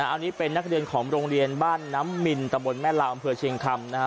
อันนี้เป็นนักเรียนของโรงเรียนบ้านน้ำมิลตมแม่ลาวบเชียงคำ